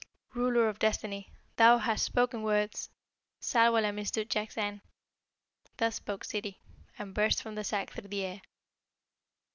"Ruler of Destiny, thou hast spoken words! Ssarwala missdood jakzang!" Thus spake Ssidi, and burst from the sack through the air.